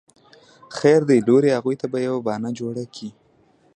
خير دی لورې اغوئ ته به يوه بانه جوړه کې.